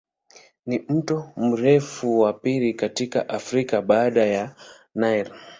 Ni mto mrefu wa pili katika Afrika baada ya Nile.